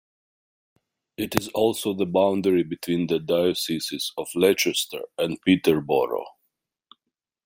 It is also the boundary between the dioceses of Leicester and Peterborough.